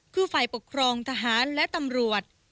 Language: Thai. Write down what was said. คือฝ่ายปกครองทหารและตำรวจ